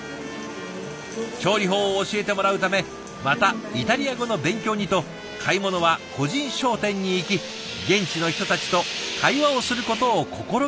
調理法を教えてもらうためまたイタリア語の勉強にと買い物は個人商店に行き現地の人たちと会話をすることを心がけているそうです。